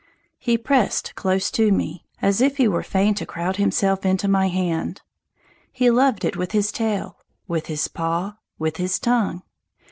He pressed close to me, as if he were fain to crowd himself into my hand. He loved it with his tail, with his paw, with his tongue.